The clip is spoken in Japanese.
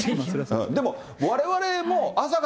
でもわれわれも朝か